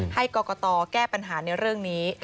ให้กรกตแก้ปัญหาในเรื่องนี้